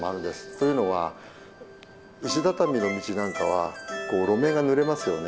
というのは石畳の道なんかは路面がぬれますよね。